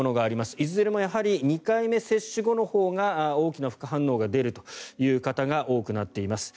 いずれもやはり２回目接種後のほうが大きな副反応が出る方が多くなっています。